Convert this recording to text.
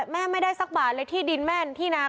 แม่ไม่ได้สักบาทเลยที่ดินแม่นที่นา